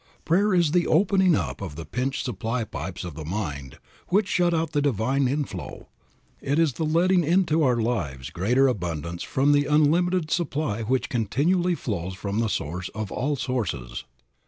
Prayer is the opening up of the pinched supply pipes of the mind which shut out the divine inflow; it is the letting into our lives greater abundance from the unlimited supply which continually flows from the Source of all sources.